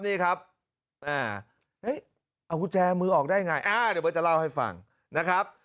เอ๊ะเอาหุ้นแจมือออกได้ไงอ่าเดี๋ยวเบอร์จะเล่าให้ฟังนะครับ